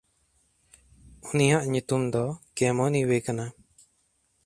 ᱩᱱᱤᱭᱟᱜ ᱧᱩᱛᱩᱢ ᱫᱚ ᱠᱮᱢᱚᱱᱤᱣᱮ ᱠᱟᱱᱟ᱾